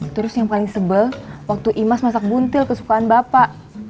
terus yang paling sebel waktu imas masak buntil kesukaan bapak